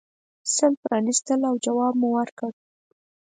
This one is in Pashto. سل پرانیستل او جواب مو ورکړ.